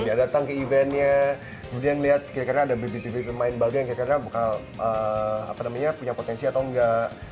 jadi datang ke eventnya kemudian lihat kira kira ada bibit bibit pemain baru yang kira kira punya potensi atau enggak